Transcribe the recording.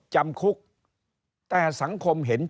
จำคุก